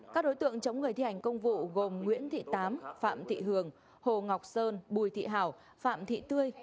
các đối tượng chống người thi hành công vụ gồm nguyễn thị tám phạm thị hường hồ ngọc sơn bùi thị hảo phạm thị tươi